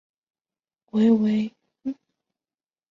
韦唯的父亲在中国铁道部工作。